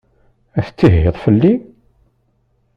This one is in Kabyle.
La tettihiḍ fell-i?